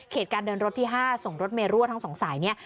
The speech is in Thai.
เกษตรการเดินรถที่ห้าส่งรถเมลว่าทั้งสองสายเนี่ย